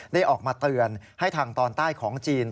ได้ออกมาเตือนให้ทางตอนใต้ของจีน